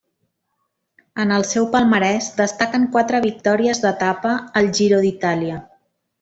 En el seu palmarès destaquen quatre victòries d'etapa al Giro d'Itàlia.